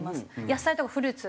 野菜とかフルーツ。